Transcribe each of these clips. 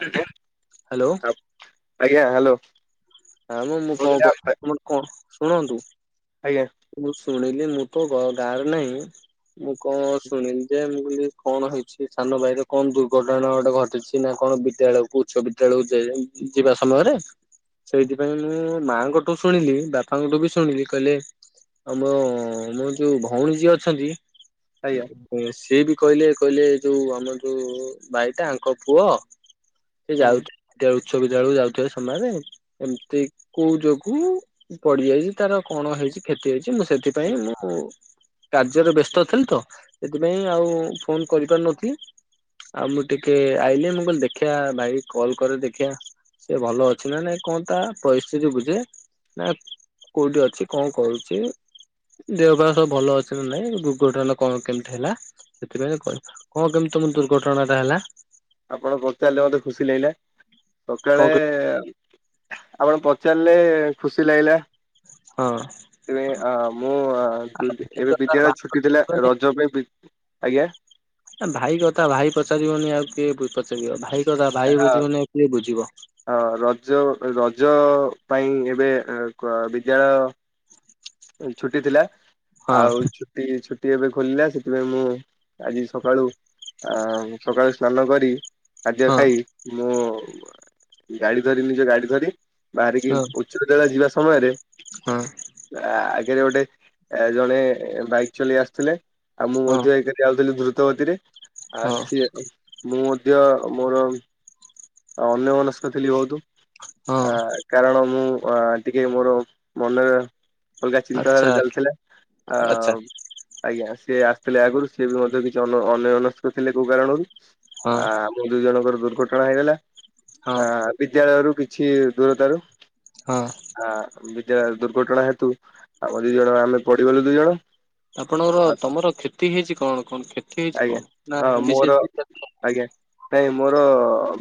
ଆଜ୍ଞା। ହାଲୋ। ଆ- ଆଜ୍ଞା ହାଲୋ। ନା ମ ମୁଁ କଣ କଇ [inaudible] ମୁଁ କଣ ଶୁଣନ୍ତୁ। ଆଜ୍ଞା। ମୁଁ ଶୁଣିଲି ମୁଁ ତ ଗ ଗାଁ ରେ ନାଇଁ। ମୁଁ କଣ ଶୁଣିଲି ଯେ ମୁଁ କହିଲି କଣ ହେଇଛି ସାନ ଭାଇର କଣ ଦୁର୍ଘଟଣା ଗୋଟେ ଘଟିଛି। କିନା କଣ ବିଦ୍ୟାଳୟକୁ ଉଚ୍ଚ ବିଦ୍ୟାଳୟକୁ ଯା ଯିବା ସମୟରେ। ସେଇଥିପାଇଁ ମୁଁ ମାଆଙ୍କଠୁ ଶୁଣିଲି ବାପାଙ୍କଠୁ ବି ଶୁଣିଲି କହିଲେ ଆଉ ମୋ ମୋ ଯଉ ଭଉଣୀ ଯିଏ ଅଛନ୍ତି ଆଜ୍ଞା ହୁଁ ସିଏ ବି କହିଲେ କହିଲେ ଯୋଉ ଆମର ଯୋଉ ବାଇଟା ଆଙ୍କ ପୁଅ ସେ ହୁଁ। ଯାଉଛି [inaudible] ଉଚ୍ଚ ବିଦ୍ୟାଳୟକୁ ଯାଉଥିବା ସମୟରେ ଏମିତି କୋଉ ଯୋଗୁ ପଡିଯାଇଛି ତାର କଣ ହେଇଛି କ୍ଷତି ହେଇଛି ମୁଁ ସେଥିପାଇଁ ମୁଁ କାର୍ଯ୍ୟରେ ବ୍ୟସ୍ତ ଥିଲି ତ ସେଥିପାଇଁ ଆଉ ଫୋନ୍ କରିପାରୁ ନଥିଲି। ଆଉ ମୁଁ ଟିକେ ଆଇଲି ମୁଁ କଲି ଦେଖିଆ ଭାଇକି କଲ୍ କରେ ଦେଖିଆ। ସେ ଭଲ ଅଛି ନା ନାଇଁ କଣ ତା ପରିସ୍ଥିତି ବୁଝେ ନା କୋଉଠି ଅଛି କଣ କରୁଛି ଦେହ ପାହା ସବୁ ଭଲ ଅଛି ନା ନାଇଁ ଦୁର୍ଘଟଣା କଣ କେମିତି ହେଲା ସେଥିପାଇଁ କରି କଣ କେମିତି ତମ ଦୁର୍ଘଟଣା ଟା ହେଲା? ଆପଣ ପଚାରିଲେ ମତେ ଖୁସି ଲାଗିଲା ସକାଳେ କଣ ଆପଣ ପଚାରଲେ ଖୁସି ଲାଗିଲା। ଏବେ ଆ ମୁଁ ଦୁ ଏବେ ବିଦ୍ୟାଳୟ ଛୁ ଟି ଥିଲା ହଁ ରଜ ପାଇଁ ଆଜ୍ଞା? ଏ ଭାଇ କଥା ଭାଇ ପଚାରିବନି ଆଉ କିଏ ପଚାରିବ ଭାଇ କଥା ଭାଇ ବୁଝିବନି ଆଉ କିଏ ବୁଝିବ। ଅ ରଜ ରଜ ପାଇଁ ଏବେ ଉଁ କ ବିଦ୍ୟାଳୟ ଛୁଟି ଥିଲା ହଁ ଆଉ ଟି ଛୁଟି ଏବେ ଖୋଲିଲା ସେଥିପାଇଁ ମୁଁ ଆଜି ସକାଳୁ ଆ ସକାଳୁ ସ୍ନାନ କରି ଖାଦ୍ୟ ହଁ ଖାଇ ମୁଁ ଗାଡି ଧରି ନିଜ ଗାଡି ଧରି ବାହାରିକି ହଁ ଉଚ୍ଚ ବିଦ୍ୟାଳୟ ଯିବା ସମୟରେ ହଁ ଆଗରେ ଗୋଟେ ଜଣେ ଏ ବାଇକ୍ ଚଲେଇ ଆସୁଥିଲେ ଆଉ ମୁଁ ହଁ ମଧ୍ୟ ଯାଉଥିଲି ଦ୍ରୁତ ଗତିରେ ହଁ ଆସ୍ ସିଏ ମୁଁ ମଧ୍ୟ ମୋର ଅନ୍ୟମନସ୍କ ଥିଲି ବହୁତୁ ହଁ ଆ କାରଣ ମୁଁ ଅ ଟିକେ ମୋର ମନରେ ଅଲଗା ଚିନ୍ତାଧାରା ଆଚ୍ଛା ଚାଲିଥିଲେ ଆ ଆଚ୍ଛା ଆଜ୍ଞା ସିଏ ଆସିଥିଲେ ଆଗରୁ ସିଏ ବି ମଧ୍ୟ କିଛି ଅନ୍ୟ ଅନ୍ୟମନସ୍କ ଥିଲେ କୋଉ କାରଣରୁ। ହଁ ଆ ଆମ ଦୁଇ ଜଣଙ୍କର ଦୁର୍ଘଟଣା ହେଇଗଲା। ହଁ ଆ ବିଦ୍ୟାଳୟରୁ କିଛି ଦୂରତାରୁ ହଁ। ହାଁ ବିଦ୍ୟାଳୟ ଦୁର୍ଘଟଣା ହେତୁ ଆମ ଦି ଜଣ ଆମେ ପଡିଗଲୁ ଦୁଇ ଜଣ ଆପଣଙ୍କର ଆ ତମର କ୍ଷତି ହେଇଛି କଣ? କଣ କ୍ଷତି ହେଇଛି, ଆଜ୍ଞା କଣ ହଁ ନା ବିଶେଷ ମୋର କିଛି ଆଜ୍ଞା, ନାଇଁ ମୋର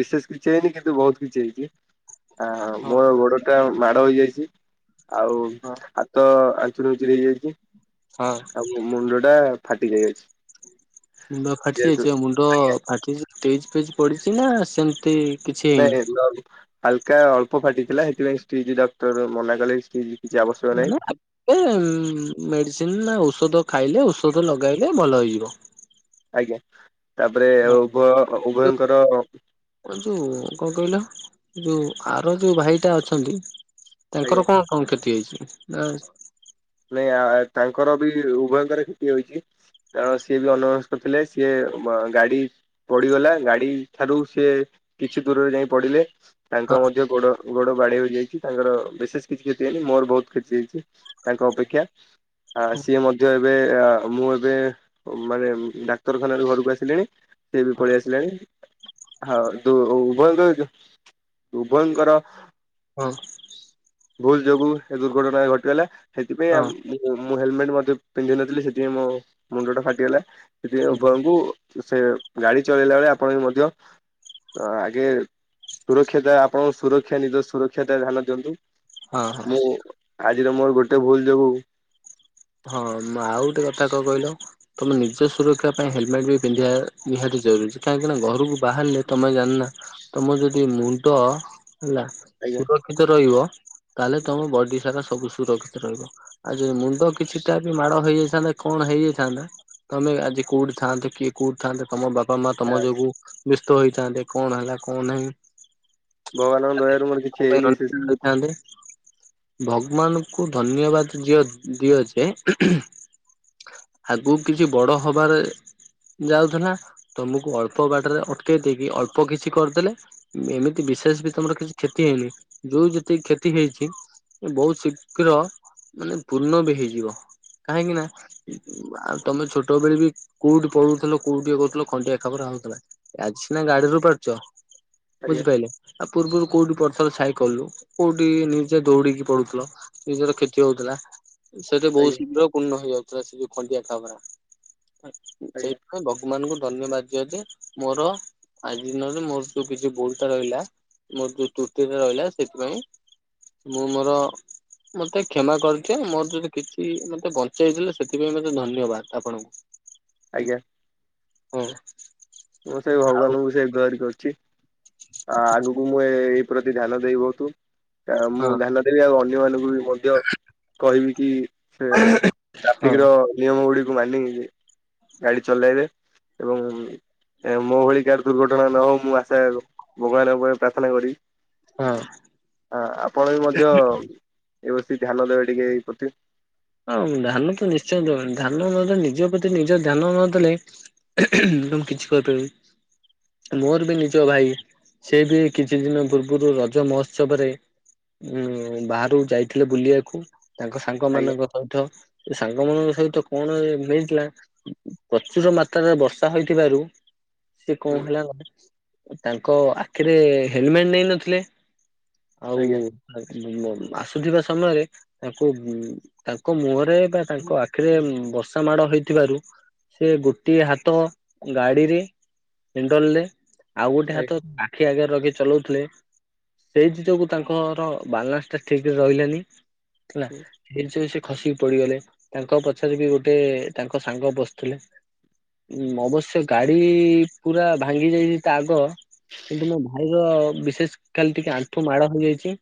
ବିଶେଷ କିଛି ହେଇନି, କିନ୍ତୁ ବହୁତ କିଛି ହେଇଛି। ଆଁ ହଁ ମୋ ଗୋଡଟା ମାଡ ହେଇଯାଇଛି। ଆଉ ହଁ ହା ହାତ ଆଞ୍ଚୁରୀ ଉଞ୍ଚୁରୀ ହେଇଯାଇଛି। ହଁ। ଆଉ ମୁଣ୍ଡଟା ଫାଟି ଯାଇଅଛି। ମୁଣ୍ଡ ଫାଟି ଯେହେତୁ ଯାଇଛି, ଆଉ ମୁଣ୍ଡ ଆଜ୍ଞା ଫାଟିଜାଇ ଷ୍ଟିଚ ଫିଚ ପଡିଛି? ନା ସେମତି ନାଇଁ ମୁଣ୍ଡ ହାଲକା ଅଳ୍ପ ଫାଟିଥିଲା। ସେଥିପାଇଁ ଷ୍ଟିଚ, ଡକ୍ଟର ମନା କଲେ ଷ୍ଟିଚ [unintelligible] ଏ ମେଡିସିନ ନା ଔଷଧ ଖାଇଲେ ଔଷଧ ଲଗାଇଲେ ଭଲ ହେଇଯିବ। ଆଜ୍ଞା, ତାପରେ ଉଭୟ ଉଭୟଙ୍କର ଯୋଉ କଣ କହିଲ, ଯୋଉ ଆର ଯୋଉ ଭାଇଟା ଅଛନ୍ତି ଆଜ୍ଞା ତାଙ୍କର କଣ କଣ କ୍ଷତି ହେଇଛି? ନାଇଁ ତାଙ୍କର ବି ଉଭୟଙ୍କର କ୍ଷତି ହୋଇଛି। କାରଣ ସିଏ ବି ଅନ୍ୟମନସ୍କ ଥିଲେ। ସିଏ ଗାଡି ପଡିଗଲା। ଗାଡି ଠାରୁ ସିଏ କିଛି ଦୂରରେ ଯାଇ ପଡିଲେ। ତାଙ୍କ ହଁ ମଧ୍ୟ ଗୋଡ ଗୋଡ ବାଡ଼େଇ ହୋଇଯାଇଛି। ତାଙ୍କର ବିଶେଷ କିଛି କ୍ଷତି ହେଇନି। ମୋର ବହୁତ କ୍ଷତି ହୋଇଛି ତାଙ୍କ ଅପେକ୍ଷା। ଆ, ହଁ ସିଏ ମଧ୍ୟ ଏବେ ଆ ମୁଁ ଏବେ ମାନେ ଡାକ୍ତରଖାନାରୁ ଘରକୁ ଆସିଲିଣି। ସିଏବି ପଳେଇ ଆସିଲାଣି। ହଁ କିନ୍ତୁ ଉଭୟଙ୍କ ଉଭୟଙ୍କର ହଁ। ଭୁଲ୍ ଯୋଗୁ ଏ ଦୁର୍ଘଟଣା ଘଟିଗଲା। ସେଥିପାଇଁ ହଁ ଆମେ ମୁଁ ମୁଁ ହେଲମେଟ ମଧ୍ୟ ପିନ୍ଧିନଥିଲି ସେଥିପାଇଁ ମୋ ମୁଣ୍ଡଟା ଫାଟିଗଲା। ସେଥିପାଇଁ ଉଭୟଙ୍କୁ ସେ ଗାଡି ଚଳେଇଲା ବେଳେ ଆପଣବି ମଧ୍ୟ ତ ଆଗେ ସୁରକ୍ଷତା, ଆପଣଙ୍କ ସୁରକ୍ଷା ନିଜ ସୁରକ୍ଷତା ଧ୍ୟାନ ଦିଅନ୍ତୁ। ହଁ ମୁଁ, ଆଜିର ମୋର ଗୋଟେ ଭୁଲ୍ ଯୋଗୁ ହଁ, ଆଉ ଗୋଟେ କଥା କଣ କହିଲ? ତମେ ନିଜ ସୁରକ୍ଷା ପାଇଁ ହେଲମେଟ ବି ପିନ୍ଧିବା ନିହାତି ଜରୁରୀ। କାହିଁକିନା ଘରକୁ ବାହାରିଲେ ତମେ ଜାଣିନ ତମର ଯଦି ମୁଣ୍ଡ, ହେଲା ଆଜ୍ଞା ସୁରକ୍ଷିତ ରହିବ, ତାହେଲେ ତମ ବଡି ସାରା ସବୁ ସୁରକ୍ଷିତ ରହିବ। ଆଉ ଯଦି ମୁଣ୍ଡ କିଛିଟା ବି ମାଡ ହେଇଯାଇଥାନ୍ତା କଣ ହେଇଯାଇଥାନ୍ତା, ତମେ ଆଜି କୋଉଠି ଥାଆନ୍ତେ କିଏ କୋଉଠିଥାନ୍ତେ, ତମ ବାପା ମା ତମ ଯୋଗୁ ବ୍ୟସ୍ତ ହେଇଥାନ୍ତେ। କଣ ହେଲା କଣ ନାହିଁ। ଭଗବାନଙ୍କ ଦୟାରୁ ମୋର କିଛି ହେଇନି। ସେ ଥାଆନ୍ତେ। ଭଗବାନଙ୍କୁ ଧନ୍ୟବାଦ ଦିଅ ଦିଅଯେ ଏଁ ଆଗକୁ କିଛି ବଡ ହବାରେ ଯାଉଥିଲା, ତମୁକୁ ଅଳ୍ପ ବାଟରେ ଅଟକେଇଦେଇକି ଅଳ୍ପ କିଛି କରିଦେଲେ। ଏମିତି ବିଶେଷବି ତମର କିଛି କ୍ଷତି ହେଇନି। ଯୋଉ ଯେତିକି କ୍ଷତି ହେଇଛି ବହୁତ୍ ଶୀଘ୍ର ମାନେ ପୂର୍ଣ୍ଣ ବି ହେଇଯିବ। କାହିଁକି ନା ଆଉ ତମେ ଛୋଟ ବେଳେ ବି କୋଉଠି ପଡୁଥିଲ, କୋଉଠି ଏ କରୁଥିଲ ଖଣ୍ଡିଆ ଖାବରା ହୋଉଥିଲ। ଆଜି ସିନା ଗାଡିରୁପାରୁଚ, ଆଜ୍ଞା ବୁଝିପାଇଲେ? ଆ ପୂର୍ବରୁ କୋଉଠି ପଡୁଥିଲ ସାଇକଲରୁ, କୋଉଠି ନିଜେ ଦୌଡିକି ପଡୁଥିଲ। ନିଜର କ୍ଷତି ହୋଉଥିଲା। ସେତ ବହୁତ ଆଜ୍ଞା ଶୀଘ୍ର ପୂର୍ଣ୍ଣ ହେଇଯାଉଥିଲା ସେ ଯୋଉ ଖଣ୍ଡିଆ ଖାବରା। ସେ ଆଜ୍ଞା ମାନେ ଭଗବାନଙ୍କୁ ଧନ୍ୟବାଦ ଦିଅ ଯେ ମୋର ଆଜି ଦିନରେ ମୋର ଯୋଉ କିଛି ଭୁଲତ ରହିଲା ମୋର ଯୋଉ ତ୍ରୁଟିରେ ରହିଲା, ସେଥିପାଇଁ ମୁଁ ମୋର, ମତେ କ୍ଷମା କରିଦିଅ। ମୋର ଯଦି କିଛି ମତେ ବଞ୍ଚେଇଦେଲେ, ସେଥିପାଇଁ ମତେ ଧନ୍ୟବାଦ ଆପଣଙ୍କୁ। ଆଜ୍ଞା ହଁ। ମୁଁ ସେଇ ଆଉ ଭଗବାନଙ୍କୁ ସେ ଗୁହାରି କରୁଚି। ଆଉ ଆଗକୁ ମୁଁ ଏ ଏଇ ପ୍ରତି ଧ୍ୟାନ ଦେବି ବହୁତ ମୁଁ ହଁ ଧ୍ୟାନ ଦେବି ଆଉ ଅନ୍ୟ ମାନଙ୍କୁ ବି ମଧ୍ୟ କହିବି କି ସେ ହଁ ଟ୍ରାଫିକ ର ନିୟମ ଗୁଡିକୁ ମାନି ଗାଡି ଚଲାଇବେ। ଏବଂ ମୋ ଭଳି କାହାର ଦୁର୍ଘଟଣା ନ ହଉ ମୁଁ ଆଶା ଭଗବାନଙ୍କ ପାଖରେ ପ୍ରାର୍ଥନା କରିବି। ହଁ ହ ଆପଣ ବି ମଧ୍ୟ ଏବେଠୁ ଧ୍ୟାନ ଦେବେ ଟିକେ ଏ ପ୍ରତି। ହଁ ଧାନ ତ ନିଶ୍ଚୟ ଦେବି। ଧାନ ନଦେଲେ ନିଜ ପ୍ରତି ନିଜ ଧ୍ୟାନ ନ ଦେଲେ। ମୁଁ କିଛି କରିପାରିବିନି। ମୋର ବି ନିଜ ଭାଇ ସେ ବି କିଛି ଦିନ ପୂର୍ବରୁ ରଜ ମହୋତ୍ସବରେ ଉଁ ବାହାରୁକୁ ଯାଇଥିଲେ। ବୁଲିବାକୁ ତାଙ୍କ ସାଙ୍ଗ ଆଜ୍ଞା ମାନଙ୍କ ସତ ସେ ସାଙ୍ଗ ମାନଙ୍କ ସହିତ କଣ ହେଇ ଥିଲା ପ୍ରଚୁର ମାତ୍ରାରେ ବର୍ଷା ହୋଇଥିବାରୁ ସେ କଣ ହୁଁ ହେଲା ତାଙ୍କ ଆଖିରେ ହେଲମେଟ ନେଇ ନଥିଲେ। ଆଉ ଆଜ୍ଞା ଭାସୁଥିବା ସମୟରେ ତାଙ୍କୁ ତାଙ୍କ ମୁହଁରେ ବା ତାଙ୍କ ଆଖିରେ ବର୍ଷା ମାଡ ହେଇଥିବାରୁ ସେ ଗୋଟିଏ ହାତ ଗାଡିରେ ହେଣ୍ଡଲରେ ଆଉ ଗୋଟେ ହାତ ଆଜ୍ଞା ଆଖି ଆଗରେ ରଖି ଚଲାଉଥିଲେ ସେଇଥି ଯୋଗୁ ତାଙ୍କର ବାଲାନ୍ସ ଟା ଠିକ ରେ ରହିଲାନି ହେଲା। ହୁଁ ଇଏ-ସେ-ସେ ଖସିକି ପଳେଇଗଲେ ତାଙ୍କ ପଛରେ ବି ଗୋଟେ ତାଙ୍କ ସାଙ୍ଗ ବସିଥିଲେ। ଉଁ ଅବଶ୍ୟ ଗାଡି ପୁରା ଭାଙ୍ଗି ଯାଇଛି। ତା ଆଗ କିନ୍ତୁ ମୋ ଭାଇ ର ବିଶେଷ ଖାଲି ଟିକେ ଆଣ୍ଠୁ ମାଡ ହେଇଯାଇଚି।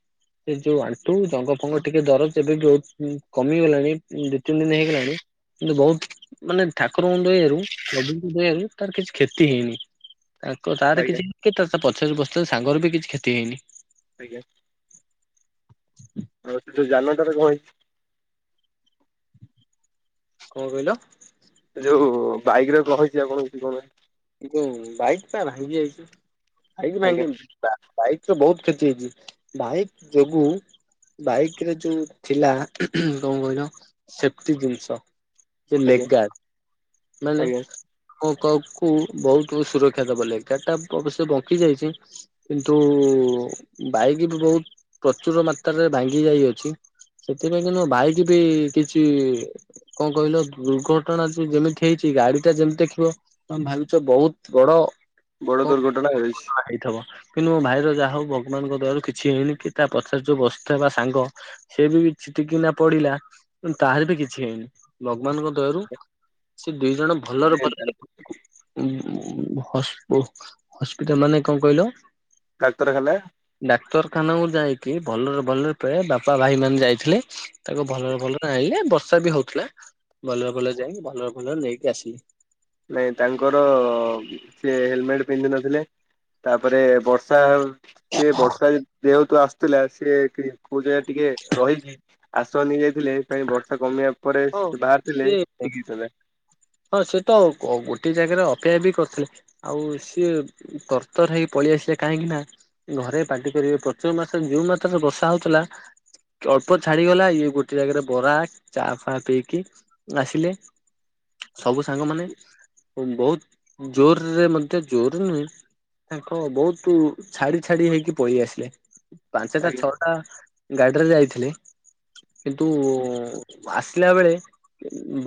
ସେ ଯୋଉ ଆଣ୍ଟୁ ଜଙ୍ଗ ଫଙ୍ଗ ଟିକେ ଦରଜ ଏବେ ବି ହଉ ଉଁ କମିଗଲାଣି ଦୁଇ ତିନି ଦିନ ହେଇଗଲାଣି। କିନ୍ତୁ ବହୁତ ମାନେ ଠାକୁରଙ୍କୁ ଦୟା ରୁ ପ୍ରଭୁଙ୍କୁ ଦୟାରୁ ତାର କିଛି କ୍ଷତି ହେଇନି। ତାଙ୍କ ତାର ଆଜ୍ଞା କିଛି ହେଇନି କି ପଛରେ ବସିଥିଲା ସାଙ୍ଗରେ ବି କିଛି କ୍ଷତି ହେଇନି। ଆଜ୍ଞା। ଆଉ ସେ ଜାନ ଟାର କଣହେଇଚି? କଣ କହିଲ? ଏ ଯୋଉ ବାଇକ ର କଣ ହେଇଚି ଆଉ କଣ ହେଇଚି କଣ ନାଇଁ। ଏ ଯୋଉ ବାଇକ୍ ତା ଭାଙ୍ଗି ଯାଇଚି। ବାଇକ୍ ଆଜ୍ଞା ଭାଙ୍ଗିନି ବାଇକ୍ ତ ବହୁତ କ୍ଷତି ହେଇଚି। ବାଇକ୍ ଯୋଗୁ ବାଇକରେ ଯୋଉ ଥିଲା କଣ କହିଲ ସେଫଟି ଜିନିଷ ଯୋଉ ଲେଗ ଆଜ୍ଞା ଗାଡ଼ ମାନେ ଆଜ୍ଞା କ କଉ କୁ ବହୁତ ବହୁତ ସୁରକ୍ଷା ଦବ। ଲେଗ ଗାଡ଼ ଟା ଅବଶ୍ୟ ବଙ୍କି ଯାଇଚି କିନ୍ତୁ ବାଇକ୍ ବି ବହୁତ ପ୍ରଚୁର ମାତ୍ରାରେ ଭାଙ୍ଗି ଯାଇଅଛି। ସେଥିପାଇଁ କି ମୋ କିନ୍ତୁ ଭାଇକ ବି କିଛି କଣ କହିଲ ଦୁର୍ଘଟଣା ଯେ ଯେମିତି ହେଇଛି। ଗାଡିଟା ଯେମିତି ଦେଖିବ ତମେ ଭାବୁଛ ବହୁତ ବଡ ବଡ କ ଦୁର୍ଘଟଣା ହୋଇଛି କଣ ହେଇଥିବ। କିନ୍ତୁ ମୋ ଭାଇର ଯାହା ହଉ ଭଗବାନଙ୍କ ଦୟାରୁ କିଛି ହେଇନି କି ତା ପଛରେ ଯୋଉ ବସିଥିବା ସାଙ୍ଗ ସେ ବି ଛିଟିକିନା ପଡିଲା। ତାହାର ବି କିଛି ହେଇନି। ଭଗବାନଙ୍କ ଦୟାରୁ ସେ ଦିଇ ଜଣ ଭଲରେ ଭଲରେ [unintelligible] ହସ୍ପିଟାଲ ମାନେ କଣ କହିଲ? ଡାକ୍ତରଖାନା। ଡାକ୍ତରଖାନା କୁ ଯାଇକି ଭଲରେ ଭଲରେ ଫେ ବାପା ଭାଇ ମାନେ ଯାଇଥିଲେ। ତାକୁ ଭଲରେ ଭଲରେ ଆଣିଲେ ବର୍ଷା ବି ହଉଥିଲା ଭଲରେ ଭଲରେ ଯାଇକି ଭଲରେ ଭଲରେ ନେଇକି ଆସିଲି। ନାଇଁ ତାଙ୍କର ସିଏ ହେଲମେଟ୍ ପିନ୍ଧିନଥିଲେ ତାପରେ ବର୍ଷା ସେ ବର୍ଷା ଯେହେତୁ ଆସୁଥିଲା ସିଏ କି କୋଉ ଜାଗାରେ ଟିକେ ରହିକି ଆସ ନେଇ ଯାଇଥିଲେ ପ୍ରାଏ ବର୍ଷା କମିବା ପରେ ହଁ ସେ ବାହାରିଥିଲେ ସିଏ ଠିକ ହେଇଥାନ୍ତା। ହଁ ସେ ତ ଗୋ ଗୋଟେ ଜାଗାରେ ଅପେୟା ବି କରିଥଲେ। ଆଉ ସିଏ ତରର୍ତର ହେଇକି ପଳେଇଆସିଲା କାହିଁକି ନା ଘରେ ପାଟି କରିବେ ପ୍ରଚୁର ମାସରେ ଯୋଉ ମାତ୍ରାରେ ବର୍ଷା ହଉଥିଲା ଅଳ୍ପ ଛାଡିଗଲା ଇଏ ଗୋଟେ ଜାଗାରେ ବରା ଚା ଫା ପିଇକି ଆସିଲେ। ସବୁ ସାଙ୍ଗ ମାନ ବହୁତ ଜୋରରେ ମଧ୍ୟ ଜୋର ନୁହେଁ ତାଙ୍କ ବହୁତୁ ଛାଡି ଛାଡି ହେଇକି ପଳେଇ ଆସିଲେ ପାଞ୍ଚଟା ଆଜ୍ଞା ଛଅ ଟା ଗାଡିରେ ଯାଇଥିଲି। କିନ୍ତୁ ଆସିଲା ବେଳେ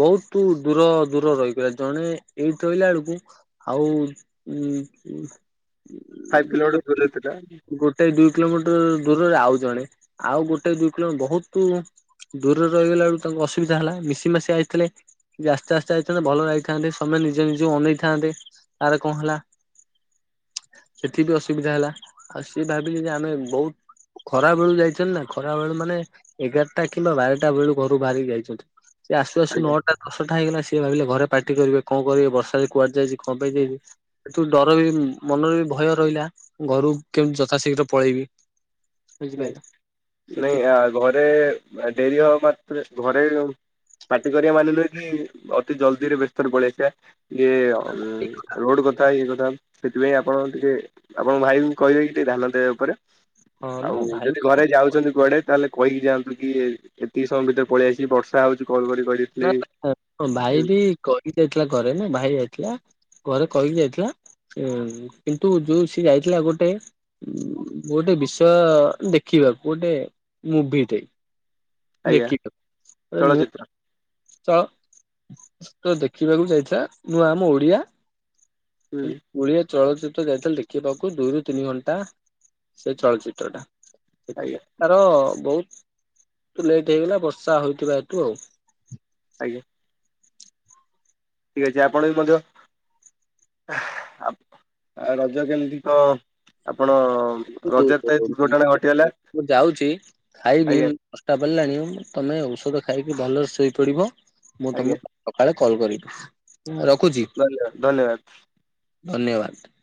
ବହୁତ ଦୂର ଦୂର ରହିଗଲା ଜଣେ ଏଇଠି ରହିଲା ବେଳକୁ ଆଉ ଉଁ ଖାଇ୍ କୋମଟର ଦୂରଇଥିଲା। [unintelligible] ଗୋଟେ ଦୁଇ କିଲୋମିଟର ଦୂରରେ ଆଉ ଜଣେ ଆଉ ଗୋଟେ ଦୁଇ କିଲୋ ବହୁତ ଦୂରରେ ରହିଗଲା ବେଳୁ ତାଙ୍କୁ ଅସୁବିଧା ହେଲା ମିଶି ମାସିି ଆଇଥିଲେ ଆସ୍ତେ ଆସ୍ତେ ଯଇଥାନ୍ତେ ଭଲ ରହିଥାନ୍ତେ ସମୟମାନେ ନିଜେ ନିଯେ ଅନେଇଥାନ୍ତେ ତାର କଣ ହେଲା। ସେଠି ବି ଅସୁବିଧା ହେଲା ଆଉ ସିଏ ଭାବିଲେ ଯେ ଆମେ ବହୁତ ଖରା ବେଳୁ ଯାଇଛନ୍ତି ନା ଖରା ବେଳୁ ମାନେ ଏଗାରଟା କିମ୍ବା ବାରଟା ବେଳୁ ଘରୁ ବାହାରିକି ଯାଇଛନ୍ତି। ସେ ଆସୁ ଆସୁ ଆଜ୍ଞା ନଅଟା ଦଶଟା ହେଇଗଲା ସିଏ ଭାବିଲେ ଘରେ ପାଟି କରିବେ କଣ କରିବେ ବର୍ଷାରେ କୁଆଡେ ଯାଇଛି। କ ପାଇଁ ଯାଇଛୁ? ସେତୁ ଡର ବି ମନରେ ଭୟ ରହିଲା ଘରୁ କେମତି ଯଥାଶୀଘ୍ର ପଳେଇବି। ବୁଝିପାରିଲ। [unintelligible] ସେଠି ନାଇଁ ଘରେ ଡେରି ହବା ମାତ୍ରେ ଘରେ ପାଟି କରିବା ମାନେ ନୁହେ କି ଅତି ଜଲ୍ଦିରେ ବ୍ୟସ୍ତରେ ପଳେଇଆସିବା। ଏ ରୋଡ଼ କଥା ଇଏ କଥା ସେଥିପାଇଁ ଆପଣ ଟିକେ ଆପଣଙ୍କ ଭାଇଙ୍କୁ କହିବେ କି ଟିକେ ଧାନ ଦେବା ଉପର। ହଁ ମୋ ଆଉ ଭାଇ ଯଦି ତ ଘରେ ଯାଉଛନ୍ତି କୁଆଡେ ତାହେଲେ କହିକି ଯାଆନ୍ତୁ କି ଏତିକି ସମୟ ଭିତରେ ପଳେଇଆସିବି ବର୍ଷା ହଉଛି କଲ କରି କରିି ନା [unintelligible] ଭାଇ ବି କହିି ଯାଇଥିଲା ଘରେ ନା ଭାଇ ଯାଇଥିଲା। ଘରେ କହିକି ଯାଇଥିଲା ଉଁ କିନ୍ତୁ ଯୋଉ ସି ଯାଇଥିଲା ଗୋଟେ ଗୋଟେ ବିଷୟ ଦେଖିବାକୁ ଗୋଟେ ମୁଭି ଟେ। ଆଜ୍ଞା ଦେଖ ନ [unintelligible] ଚଳଚିତ୍ର ତ ଦେଖିବାକୁ ଯାଇଥିଲା ନୂଆ ଆମ ଓଡିଆ ହୁଁ [inaudible] ଓଡ଼ିଆ ଚଳଚିତ୍ର ଯାଇଥିଲ ଦେଖିବାକୁ ଦୁଇରୁ ତିନି ଘଣ୍ଟା। ସେ ଚଳଚିତ୍ର ଟା ଆଜ୍ଞା ଦେଖୁଥିଲି। ତାର ବହୁତୁ ଲେଟ୍ ହେଇଗଲା ବର୍ଷା ହୋଇଥିବା ହେତୁ ଆଉ। ଆଜ୍ଞା। [unintelligible] ଆପଣ ବି ମଧ୍ୟ [unintelligible] ରଜ କେମିତି କ ଆପଣ ରଜରେ ତ ଏ [unintelligible] ଦୁର୍ଘଟଣା ଘଟିଗଲା ମୁ ଯାଉଛି ଖାଇବି। ଆଜ୍ଞା ଚଷ୍ଟା ପଡ଼ିଲାଣି ତମେ ଔଷଧ ଖାଇକି ଭଲରେ ଶୋଇପଡିବ ମୁଁ ଆଜ୍ଞା ତମକୁ ସକାଳେ କଲ କରିବି ରଖୁଛି। [unintelligible] ଧନ୍ୟବାଦ। ଧନ୍ୟବାଦ।